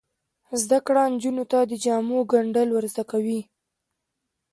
زده کړه نجونو ته د جامو ګنډل ور زده کوي.